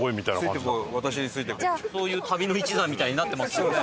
そういう旅の一座みたいになってますよね。